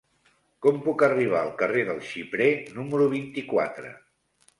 Com puc arribar al carrer del Xiprer número vint-i-quatre?